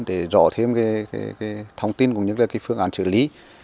để rõ thêm thông tin của những phương án chữa lý